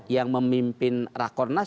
yang memimpin rakornas